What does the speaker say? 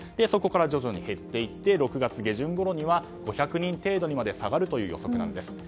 そこから徐々に減っていて６月下旬ごろには５００人程度にまで下がるという予測なんです。